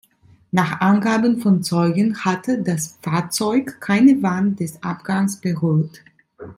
Nach Angaben von Zeugen hatte das Fahrzeug keine Wand des Abgangs berührt.